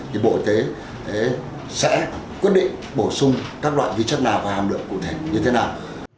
thì bộ y tế sẽ quyết định bổ sung các loại vi chất nào và hàm lượng cụ thể như thế nào